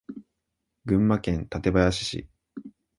群馬県館林市